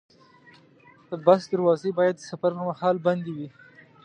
د بس دروازې باید د سفر پر مهال بندې وي.